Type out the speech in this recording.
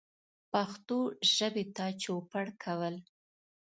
پښتو ژبې ته چوپړ کول